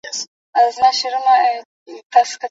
د ښوونځيو په جوړولو کي برخه واخلئ.